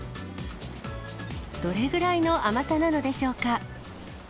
どれぐらいの甘さなのでしょうか。